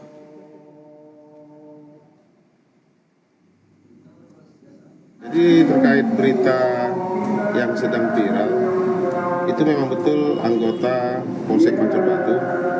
jadi terkait berita yang sedang tirang itu memang betul anggota polsek pancur batu